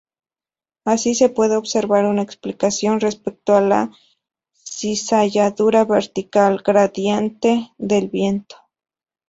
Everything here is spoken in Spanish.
Ahí se puede observar una explicación respecto a la cizalladura vertical: gradiente del viento.